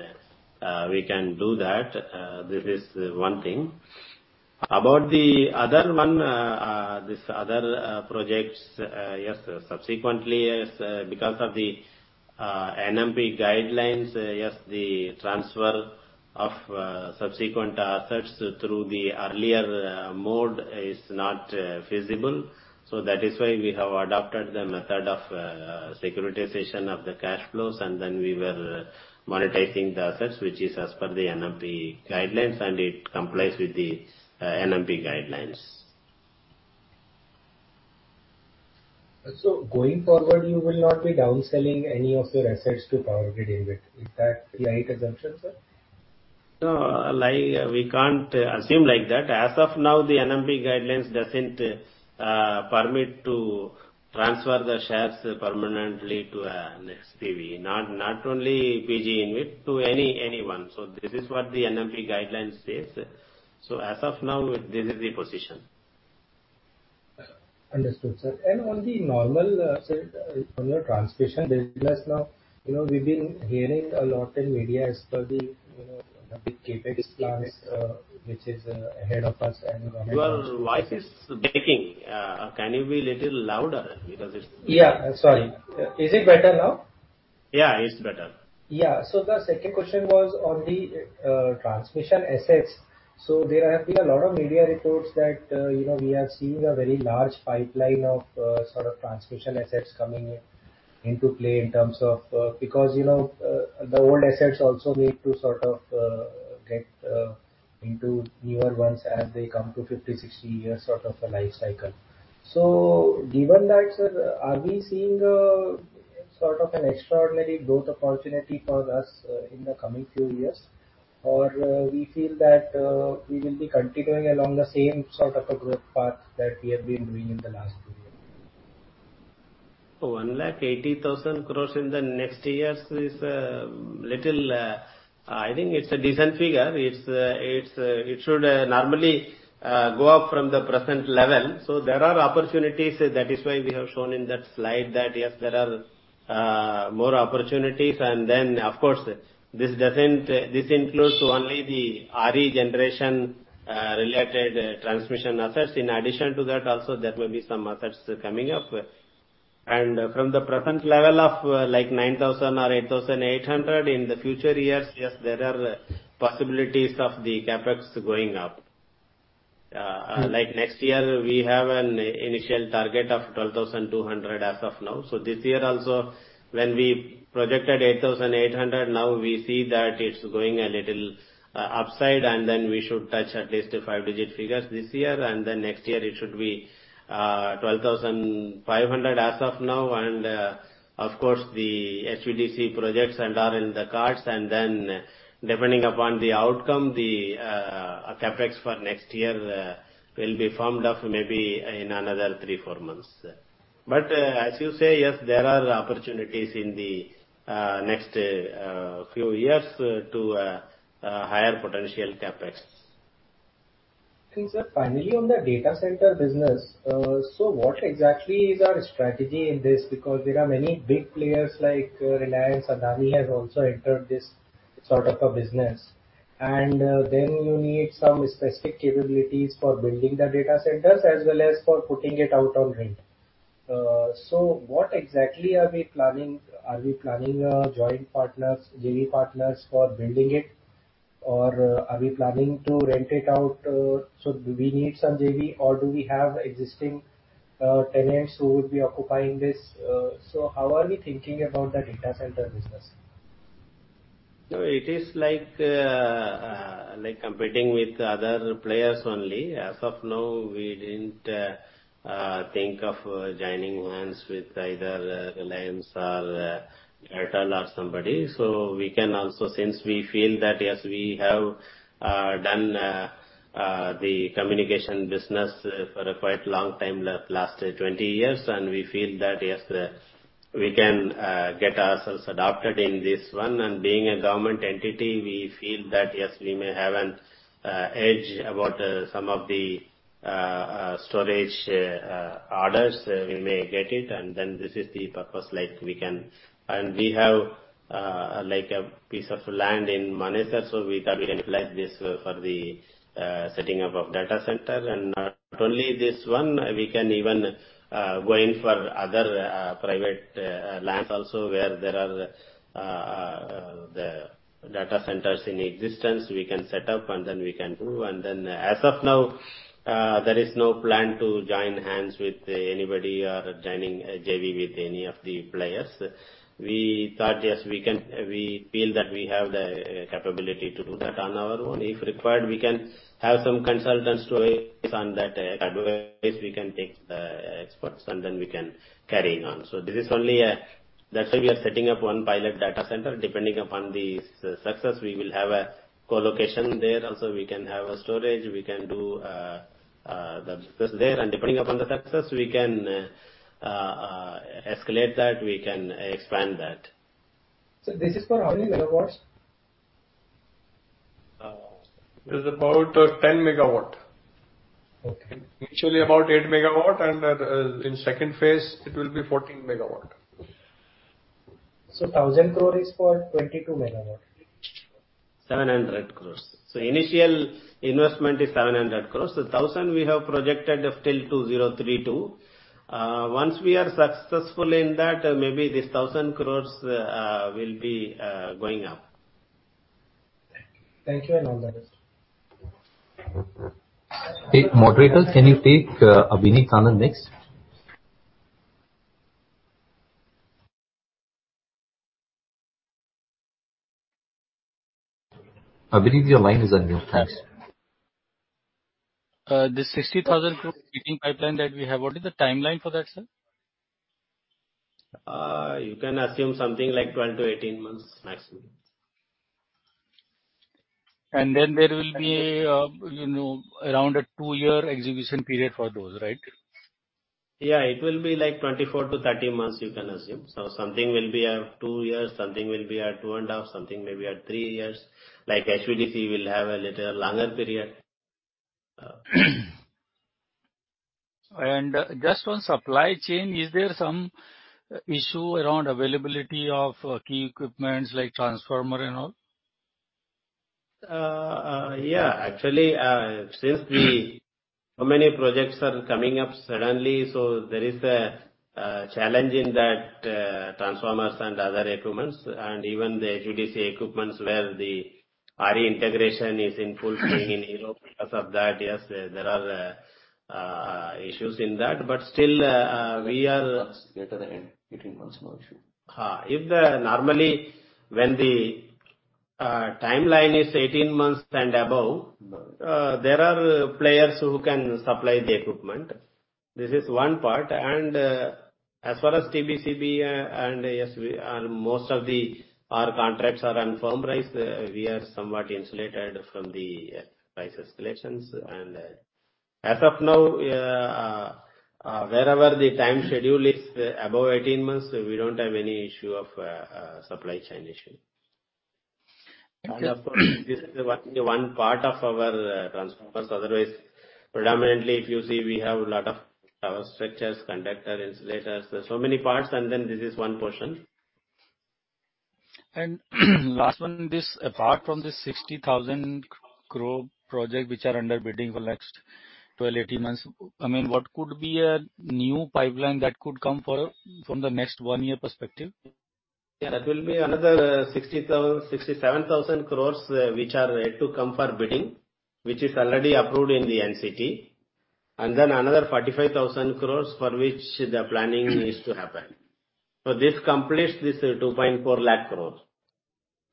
we can do that. This is one thing. About the other one, this other projects, yes, subsequently, yes, because of the NMP guidelines, yes, the transfer of subsequent assets through the earlier mode is not feasible. So that is why we have adopted the method of securitization of the cash flows, and then we were monetizing the assets, which is as per the NMP guidelines, and it complies with the NMP guidelines.
So going forward, you will not be downselling any of your assets to Power Grid Limited. Is that right assumption, sir?
No, like, we can't assume like that. As of now, the NMP guidelines doesn't permit to transfer the shares permanently to an SPV. Not, not only PG InvIT, to any, anyone. So this is what the NMP guidelines says. So as of now, this is the position.
Understood, sir. On the normal, sir, on your transmission business now, you know, we've been hearing a lot in media as per the, you know, the CapEx plans, which is ahead of us and-
Your voice is breaking. Can you be little louder? Because it's-,
sorry. Is it better now?,
it's better..
So the second question was on the transmission assets. So there have been a lot of media reports that, you know, we are seeing a very large pipeline of sort of transmission assets coming in, into play in terms of. Because, you know, the old assets also need to sort of get into newer ones as they come to 50, 60 years sort of a life cycle. So given that, sir, are we seeing a sort of an extraordinary growth opportunity for us in the coming few years? Or, we feel that we will be continuing along the same sort of a growth path that we have been doing in the last few years.
180,000 crore in the next years is little. I think it's a decent figure. It's it should normally go up from the present level. So there are opportunities. That is why we have shown in that slide that, yes, there are more opportunities. And then, of course, this includes only the RE generation related transmission assets. In addition to that, also, there may be some assets coming up. And from the present level of like 9,000 or 8,800, in the future years, yes, there are possibilities of the CapEx going up. Like next year, we have an initial target of 12,200 as of now. So this year also, when we projected 8,800, now we see that it's going a little upside, and then we should touch at least a five-digit figures this year, and then next year it should be 12,500 as of now. And, of course, the HVDC projects and are in the cards, and then depending upon the outcome, the CapEx for next year will be formed up maybe in another 3-4 months. But, as you say, yes, there are opportunities in the next few years to a higher potential CapEx.
Sir, finally, on the data center business, so what exactly is our strategy in this? Because there are many big players like Reliance and Adani have also entered this sort of a business. And, then you need some specific capabilities for building the data centers as well as for putting it out on rent. So what exactly are we planning? Are we planning, joint partners, JV partners, for building it, or are we planning to rent it out? So do we need some JV, or do we have existing, tenants who would be occupying this? So how are we thinking about the data center business?
No, it is like, like competing with other players only. As of now, we didn't think of joining hands with either Reliance or Airtel or somebody. So we can also... Since we feel that, yes, we have done the communication business for a quite long time, last 20 years, and we feel that, yes, we can get ourselves adopted in this one. And being a government entity, we feel that, yes, we may have an edge about some of the storage orders. We may get it, and then this is the purpose, like we can-- And we have like a piece of land in Manesar, so we thought we can utilize this for the setting up of data center. And not only this one, we can even go in for other private lands also, where there are the data centers in existence, we can set up, and then we can do. And then, as of now, there is no plan to join hands with anybody or joining a JV with any of the players. We thought, yes, we can, we feel that we have the capability to do that on our own. If required, we can have some consultants to advise on that, advice we can take, experts, and then we can carrying on. So this is only. That's why we are setting up one pilot data center. Depending upon the success, we will have a co-location there. Also, we can have a storage, we can do the business there, and depending upon the success, we can escalate that, we can expand that.
This is for how many megawatts?
It is about 10 MW.
Okay.
Initially, about 8 MW, and in second phase, it will be 14 MW.
So 1,000 crore is for 22 MW?
700 crore. So initial investment is 700 crore. So, 1,000, we have projected till 2032. Once we are successful in that, maybe this 1,000 crore will be going up.
Thank you. Thank you, and all the best. Hey, moderator, can you take Abhineet Anand next? Abhineet, your line is unmuted. Thanks.
This 60,000 crore bidding pipeline that we have, what is the timeline for that, sir?
You can assume something like 12-18 months maximum.
Then there will be, you know, around a two-year exhibition period for those, right? ,
it will be like 24-30 months, you can assume. So something will be at 2 years, something will be at 2.5, something maybe at 3 years. Like, HVDC will have a little longer period.
Just on supply chain, is there some issue around availability of key equipment like transformer and all?,
actually, since so many projects are coming up suddenly, so there is a challenge in that, transformers and other equipment, and even the HVDC equipment, where the RE integration is in full swing in Europe. Because of that, yes, there are issues in that, but still, we are-...
Later the end, 18 months more issue.
Normally, when the timeline is 18 months and above, there are players who can supply the equipment. This is one part, and as far as TBCB, and yes, we, and most of the our contracts are on firm price. We are somewhat insulated from the price escalations. And as of now, wherever the time schedule is above 18 months, we don't have any issue of supply chain issue. And of course, this is the one, one part of our transformers. Otherwise, predominantly, if you see, we have a lot of our structures, conductor, insulators, so many parts, and then this is one portion.
Last one, this apart from the 60,000 crore projects, which are under bidding for the next 12-18 months, I mean, what could be a new pipeline that could come from the next 1-year perspective? ,
that will be another 67,000 crore, which are yet to come for bidding, which is already approved in the NCT, and then another 45,000 crore, for which the planning needs to happen. So this completes this 240,000 crore.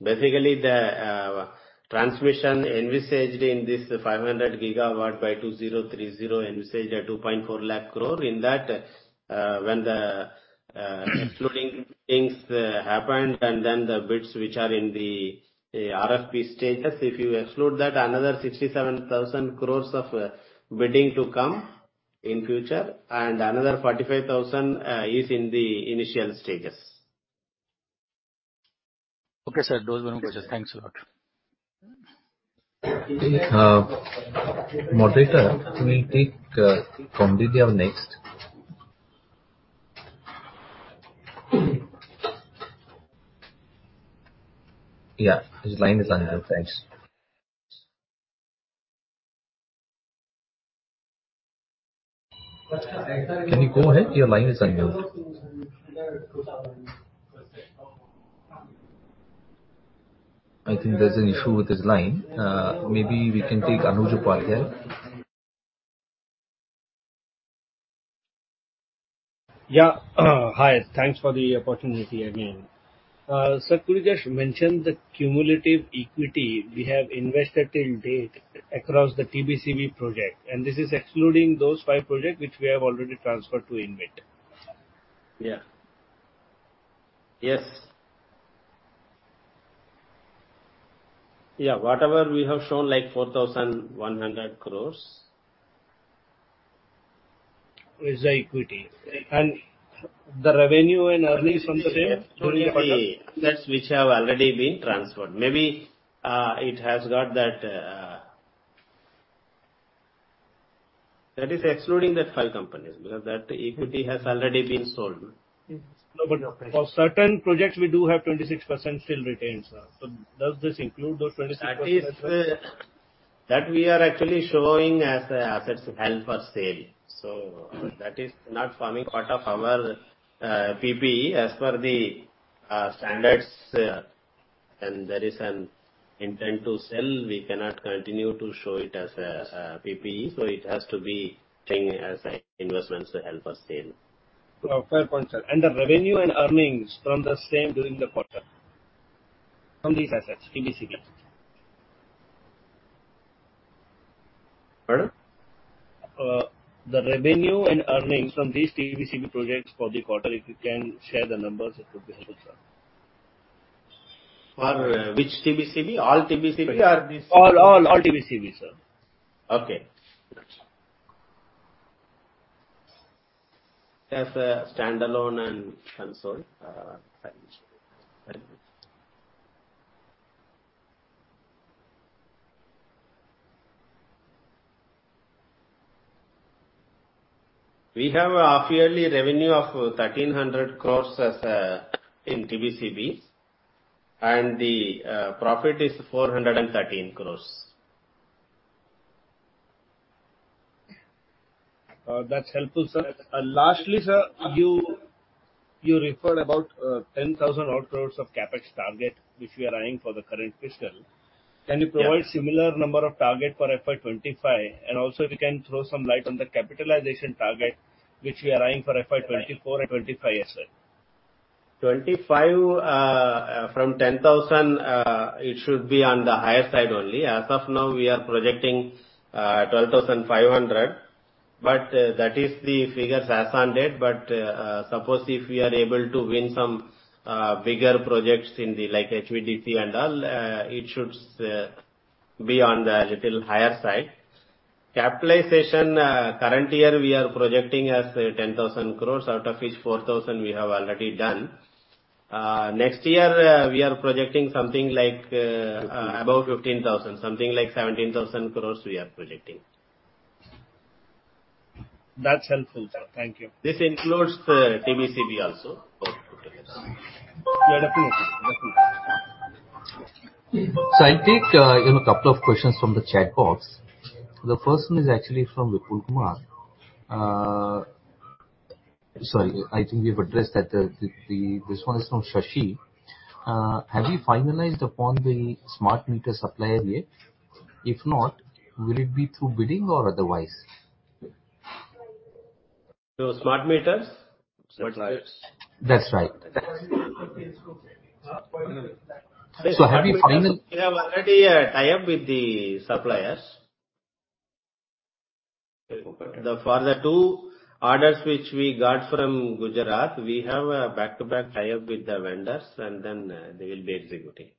Basically, the transmission envisaged in this 500 GW by 2030 envisaged a 240,000 crore. In that, when the excluding things happened, and then the bids, which are in the RFP stages, if you exclude that, another 67,000 crore of bidding to come in future, and another 45,000 crore is in the initial stages.
Okay, sir. Those were my questions. Thanks a lot.
Moderator, we'll take Kovil next. , his line is unmute. Thanks. Can you go ahead? Your line is unmute. I think there's an issue with his line. Maybe we can take Anuj Bhatia..
Hi, thanks for the opportunity again. Sir, you just mentioned the cumulative equity we have invested to date across the TBCB projects, and this is excluding those five projects which we have already transferred to InvIT..
Yes., whatever we have shown, like 4,100 crore.
Is the equity, and the revenue and earnings from the same?
That's which have already been transferred. Maybe, it has got that. That is excluding that five companies, because that equity has already been sold.
No, but for certain projects, we do have 26% still retained, sir. So does this include those 26%?
That is, that we are actually showing as assets held for sale. So that is not forming part of our PPE. As per the standards, and there is an intent to sell, we cannot continue to show it as a PPE, so it has to be showing as investments held for sale.
Fair point, sir. And the revenue and earnings from the same during the quarter, from these assets, TBCB?...
Pardon? The revenue and earnings from these TBCB projects for the quarter, if you can share the numbers, it would be helpful, sir. For which TBCB? All TBCB or all, all, all TBCB, sir. Okay. Got you. As a standalone and consolidated, Thank you. We have a half-yearly revenue of 1,300 crore in TBCB, and the profit is 413 crore. That's helpful, sir. And lastly, sir, you, you referred about 10,000-odd crore of CapEx target, which we are eyeing for the current fiscal. . Can you provide similar number of target for FY 2025, and also if you can throw some light on the capitalization target, which we are eyeing for FY 2024 and 2025 as well? 2025, from 10,000, it should be on the higher side only. As of now, we are projecting 12,500 crore, but that is the figures as on date. But suppose if we are able to win some bigger projects in the like HVDC and all, it should be on the little higher side. Capitalization, current year, we are projecting as 10,000 crore, out of which 4,000 crore we have already done. Next year, we are projecting something like above 15,000 crore, something like 17,000 crore we are projecting. That's helpful, sir. Thank you. This includes the TBCB also., definitely. Definitely.
So I'll take, you know, a couple of questions from the chat box. The first one is actually from Vipul Kumar. Sorry, I think we've addressed that. This one is from Shashi. Have you finalized upon the smart meter supplier yet? If not, will it be through bidding or otherwise?
Smart meters? Suppliers.
That's right. So have you finalized-
We have already a tie-up with the suppliers. Okay. For the two orders which we got from Gujarat, we have a back-to-back tie-up with the vendors, and then they will be executing.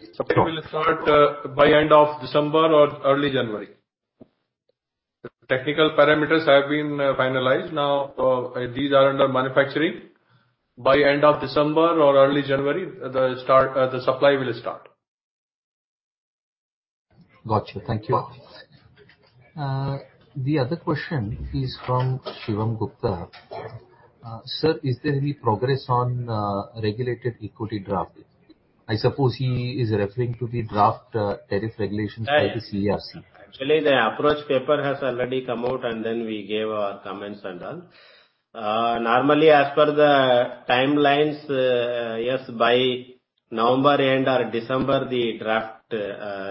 It will start by end of December or early January. Technical parameters have been finalized. Now, these are under manufacturing. By end of December or early January, the supply will start.
Got you. Thank you. The other question is from Shivam Gupta. Sir, is there any progress on, regulated equity draft? I suppose he is referring to the draft, tariff regulations by the CERC.
Actually, the approach paper has already come out, and then we gave our comments and all. Normally, as per the timelines, yes, by November end or December, the draft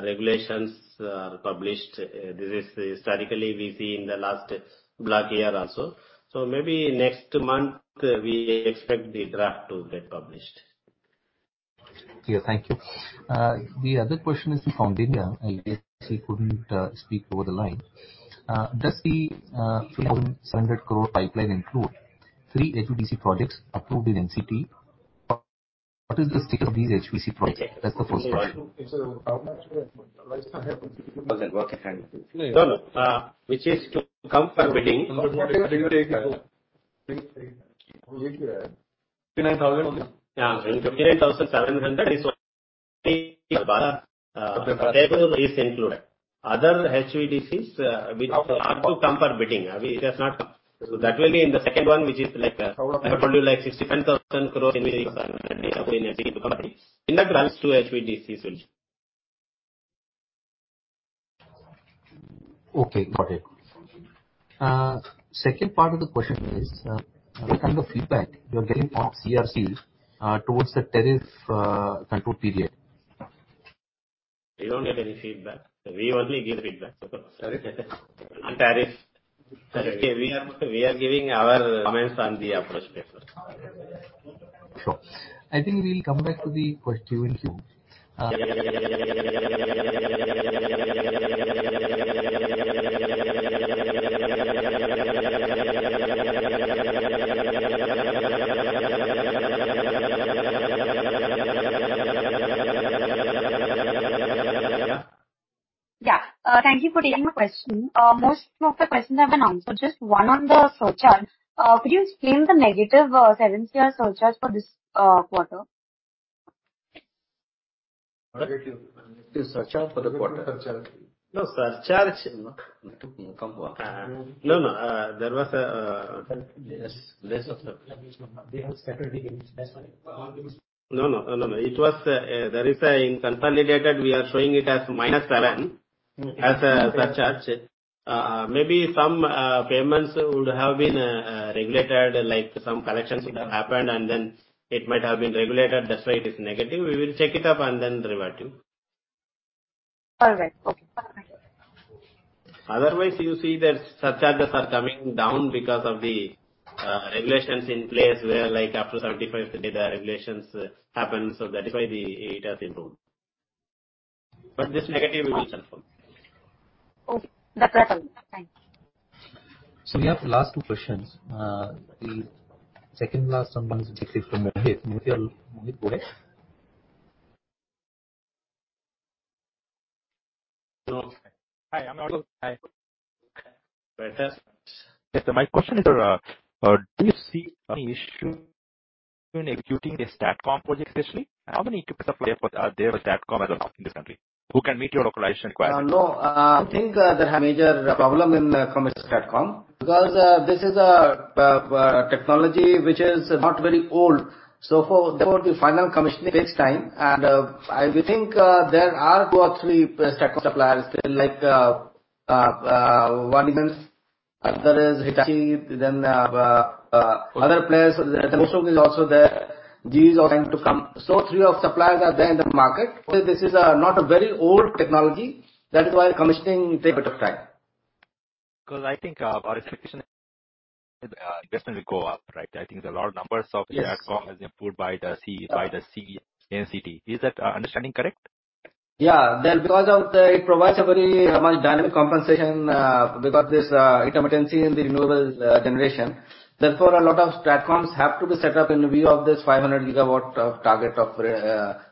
regulations are published. This is historically we see in the last block year also. So maybe next month, we expect the draft to get published..
Thank you. The other question is from Diana. I guess she couldn't speak over the line. Does the 700 crore pipeline include three HVDC projects approved in NCT? What is the state of these HVDC projects? That's the first question.
No, no, which is to come for bidding.
Twenty-nine thousand.,
INR 29,700 crore is what is included. Other HVDCs, which are to come for bidding, it has not come. So that will be in the second one, which is like, I have told you, like 67,000 crore in the... In that runs two HVDCs only.
Okay, got it. Second part of the question is, what kind of feedback you are getting from CERC, towards the tariff, control period?
We don't get any feedback. We only give feedback.
Sorry?
On tariff.
Okay.
We are giving our comments on the approach paper.
Sure. I think we'll come back to the question soon.. Thank you for taking the question. Most of the questions have been answered, just one on the surcharge. Could you explain the negative revenue OR prior-year surcharge for this quarter?
Negative, the surcharge for the quarter. No surcharge. No, no, there was a... Yes, less of the—no, no. No, no, it was, there is a... In consolidated, we are showing it as minus adjustment - as a surcharge. Maybe some payments would have been regulated, like some collections would have happened, and then it might have been regulated. That's why it is negative. We will check it up and then revert you.
All right. Okay. Thank you....
Otherwise, you see that surcharges are coming down because of the regulations in place, where, like, after 75 days, regulations happen, so that is why the AT&C approved. But this negative will self-fund.
Okay, that's all. Thank you. We have the last two questions. The second last one is from Mohit. Mohit, Mohit, go ahead.
Hello. Hi, I'm Mohit. Hi. Yes. Yes, so my question is, do you see any issue in executing a STATCOM project, especially? How many equipment suppliers are there for STATCOM as of now in this country, who can meet your localization requirements?
No, I think there are major problem in commissioning STATCOM, because this is a technology which is not very old. So for... There will be final commissioning this time, and I think there are two or three STATCOM suppliers, like one is, other is Hitachi, then other players, Mitsubishi is also there. GE is also going to come. So three of suppliers are there in the market. So this is not a very old technology. That is why commissioning take a bit of time.
Because I think, our expectation is, investment will go up, right? I think there are a lot of numbers of-
Yes.
STATCOM as approved by the CEA, by the NCT. Is that understanding correct?.
It provides very much dynamic compensation because of this intermittency in the renewables generation. Therefore, a lot of STATCOMs have to be set up in view of this 500 GW target of RE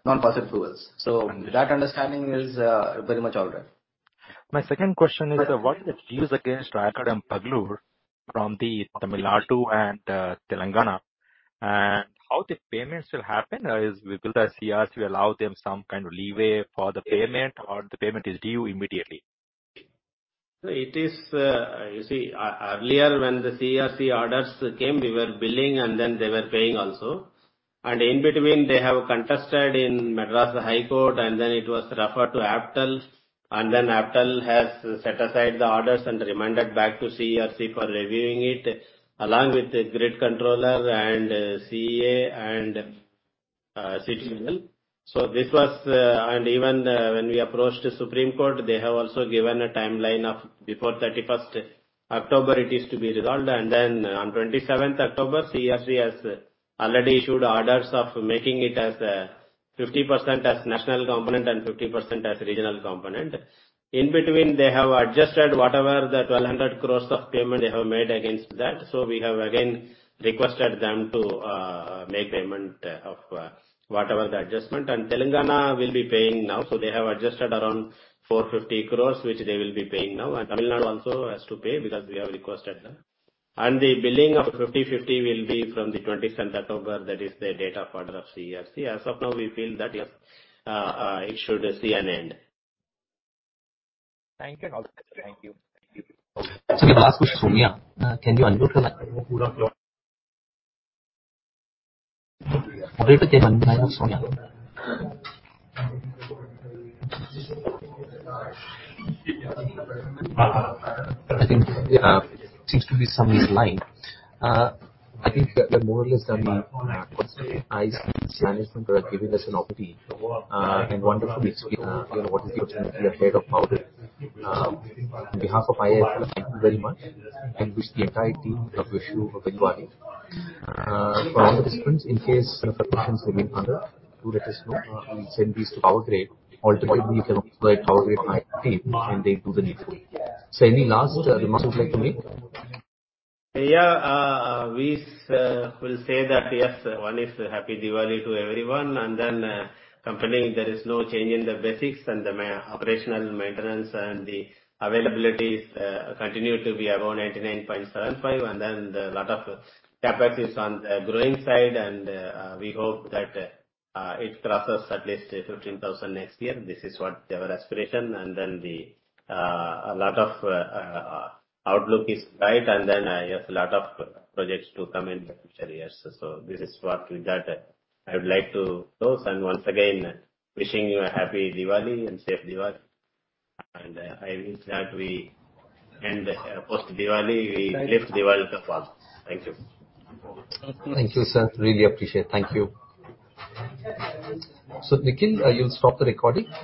non-fossil fuels. So that understanding is very much all right.
My second question is, what is the dues against Raigarh and Pugalur from the Tamil Nadu and, Telangana? And how the payments will happen? Will the CERC allow them some kind of leeway for the payment, or the payment is due immediately?
So it is, you see, earlier, when the CERC orders came, we were billing, and then they were paying also. In between, they have contested in Madras High Court, and then it was referred to APTEL, and then APTEL has set aside the orders and remanded back to CERC for reviewing it, along with the grid controller and CEA and, CTUIL. So this was... Even, when we approached the Supreme Court, they have also given a timeline of before 31st October, it is to be resolved. And then on 27th October, CERC has already issued orders of making it as, 50% as national component and 50% as regional component. In between, they have adjusted whatever the 1,200 crore of payment they have made against that. So we have again requested them to make payment of whatever the adjustment. Telangana will be paying now, so they have adjusted around 450 crore, which they will be paying now. And Tamil Nadu also has to pay because we have requested them. And the billing of 50/50 will be from the 27th October. That is the date of order of CERC. As of now, we feel that, yes, it should see an end.
Thank you. Thank you.
So the last question, Soumya, can you unmute your line? I think, seems to be Soumya's line. I think we're more or less done. I thank management for giving us an opportunity, and wonderful explanation. You know, what is the opportunity ahead of Power Grid. On behalf of IIFL, thank you very much, and wish the entire Team of Power Grid OR Team of Business a very Diwali. For all the participants, in case your questions remain unanswered, do let us know. We'll send these to Power Grid. Alternatively, you can also write to Power Grid team, and they do the needful. So any last remarks you'd like to make? .
We will say that, yes, one is Happy Diwali to everyone, and then company, there is no change in the basics and the main operational maintenance and the availabilities continue to be around 99.75%. And then the lot of CapEx is on the growing side, and we hope that it crosses at least 15,000 next year. This is what our aspiration, and then a lot of outlook is bright, and then yes, a lot of projects to come in the future years. So this is what with that, I would like to close. And once again, wishing you a Happy Diwali and Safe Diwali. And I wish that we end post-Diwali, we live Diwali the fast. Thank you.
Thank you, sir. Really appreciate. Thank you. So, Nikhil, you'll stop the recording?